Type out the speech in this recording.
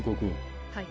はい。